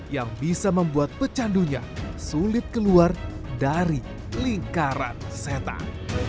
yang bisa membuat pecandunya sulit keluar dari lingkaran setan